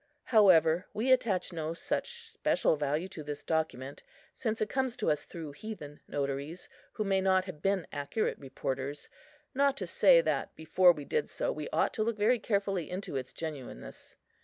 However, we attach no such special value to this document, since it comes to us through heathen notaries, who may not have been accurate reporters; not to say that before we did so we ought to look very carefully into its genuineness.